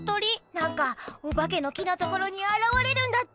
なんかおばけのきのところにあらわれるんだって！